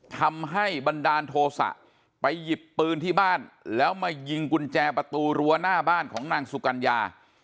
บันดาลโทษะไปหยิบปืนที่บ้านแล้วมายิงกุญแจประตูรั้วหน้าบ้านของนางสุกัญญา